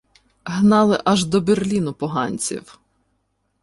Гнали аж до Берліну поганців